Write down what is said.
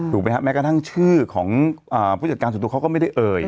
แม้กระทั่งชื่อของผู้จัดการส่วนตัวเขาก็ไม่ได้เอ่ย